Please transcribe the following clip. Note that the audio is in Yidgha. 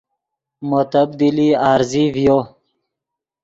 مو تبدیلی عارضی ڤیو